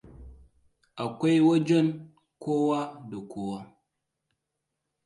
Akwai wajen kowa da kowa.